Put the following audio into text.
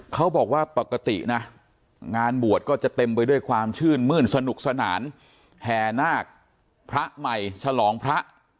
เขาบอกว่าปกตินะงานบวชก็จะเต็มไปด้วยความชื่นมื้นสนุกสนานแห่นาคพระใหม่ฉลองพระ